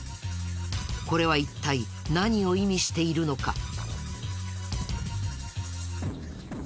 これは一体何を意味しているのか？